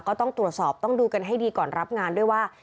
ก็ต้องตรวจสอบต้องดูกันให้ดีก่อนรับงานด้วยว่า